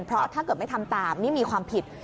เพราะถ้าเกิดไม่ทำตามนี่มีความผิด